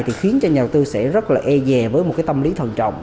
thì khiến cho nhà đầu tư sẽ rất là e dè với một cái tâm lý thần trọng